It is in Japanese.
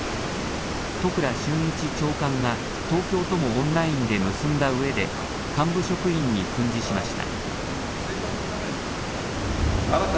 都倉俊一長官が東京ともオンラインで結んだうえで幹部職員に訓示しました。